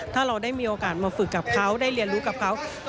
ถ้าเราได้มีโอกาสมาฝึกกับเขาได้เรียนรู้กับเขา